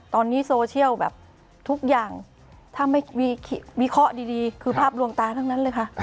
ตอนนี้โซเชียลแบบทุกอย่างถ้าไม่วิเคราะห์ดีคือภาพลวงตาทั้งนั้นเลยค่ะ